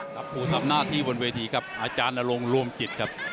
ครับครูทรัพย์หน้าที่บนเวทีครับอาจารย์อลงรวมจิตครับ